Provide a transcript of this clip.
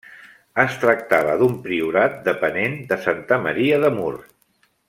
Es tractava d'un priorat depenent de Santa Maria de Mur.